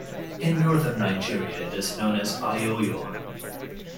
In Northern Nigeria it is known as "Ayoyo".